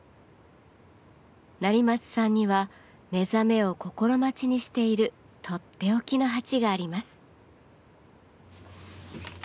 成松さんには目覚めを心待ちにしているとっておきの鉢があります。